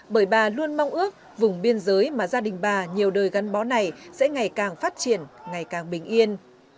bởi bà luôn mong ước vùng biên giới mà gia đình bà nhiều đời gắn bó này sẽ ngày càng phát triển ngày càng bình yên